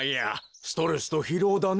ストレスとひろうだね。